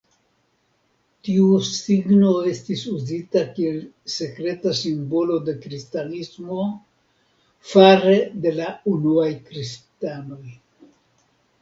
Tiu signo estis uzita kiel sekreta simbolo de Kristanismo fare de la unuaj kristanoj.